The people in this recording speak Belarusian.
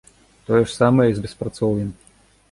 Тое ж самае і з беспрацоўем.